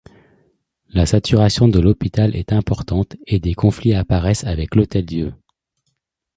La saturation de l'hôpital est importante et des conflits apparaissent avec l'Hôtel-Dieu.